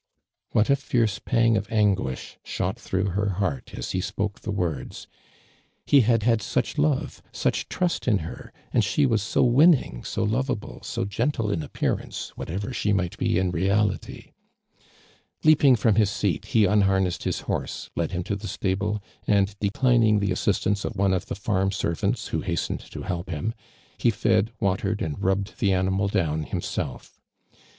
What a fierce pang of anguish shot through her heart as he spoke the words. He had had such love, such trust in her, and she was so winning, so lovable, so gentle in ap Eearance, whatever she might be in reality, eaping from his seat, he unharnessed his horse, led him to the stable, and declining the assistance of one of the farm servants, who hastened to help him, he fed, watered and rubbed the animal down himself.